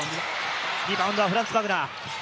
リバウンドはフランツ・バグナー。